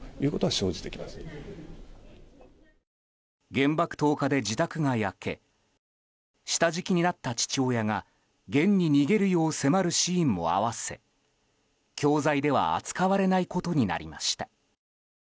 原爆投下で自宅が焼け下敷きになった父親がゲンに逃げるよう迫るシーンも合わせ教材では扱われないことになりました。